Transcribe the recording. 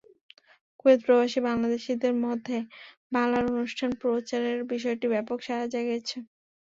Kuwait প্রবাসী বাংলাদেশিদের মধ্যে বাংলায় অনুষ্ঠান প্রচারের বিষয়টি ব্যাপক সাড়া জাগিয়েছে।